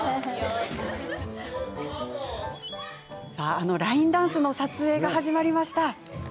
あのラインダンスの撮影が始まりました。